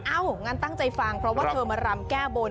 งั้นตั้งใจฟังเพราะว่าเธอมารำแก้บน